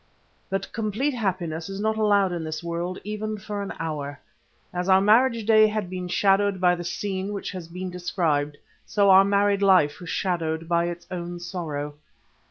But complete happiness is not allowed in this world even for an hour. As our marriage day had been shadowed by the scene which has been described, so our married life was shadowed by its own sorrow.